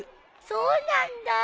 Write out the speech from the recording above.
そうなんだ！